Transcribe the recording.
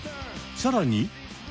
さらに。